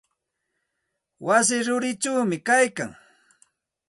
Wasi rurichawmi kaylkan.